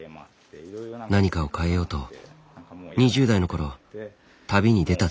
何かを変えようと２０代の頃旅に出たという。